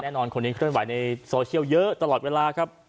นอนคนนี้เคลื่อนไหวในโซเชียลเยอะตลอดเวลาครับ